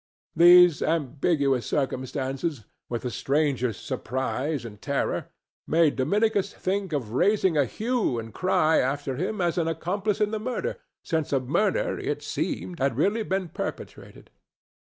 These ambiguous circumstances, with the stranger's surprise and terror, made Dominicus think of raising a hue and cry after him as an accomplice in the murder, since a murder, it seemed, had really been perpetrated.